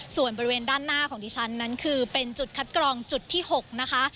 ส่วนบริเวณด้านหน้าของดิฉันนั้นคือเป็นจุดคัดกรองจุดที่๖นะคะ